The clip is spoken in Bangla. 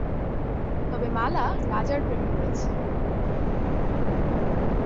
তবে মালা রাজার প্রেমে পড়েছে।